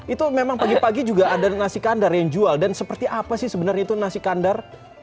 itu memang pagi pagi juga ada nasi kandar yang jual dan seperti apa sih sebenarnya itu nasi kandar